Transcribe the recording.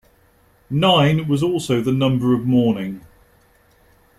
Nine was also the number of mourning.